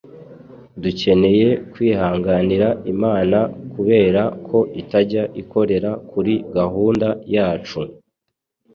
Dukeneye kwihanganira Imana kubera ko itajya ikorera kuri gahunda yacu